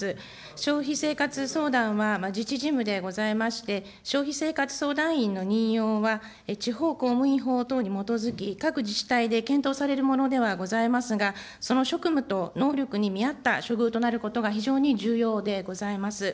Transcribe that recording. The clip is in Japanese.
消費生活相談は自治事務でございまして、消費生活相談員の任用は地方公務員法等に基づき、各自治体で検討されるものではございますが、その職務と能力に見合った処遇となることが非常に重要でございます。